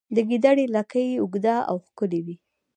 د ګیدړې لکۍ اوږده او ښکلې وي